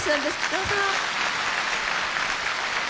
どうぞ。